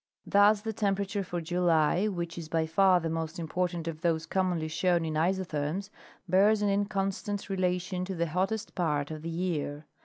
Thus the temperature for July, which is by far the most important of those commonly shown in isotherms, bears an inconstant relation to the hottest part of the year.